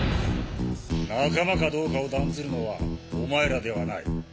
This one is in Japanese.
仲間かどうかを断ずるのはお前らではない。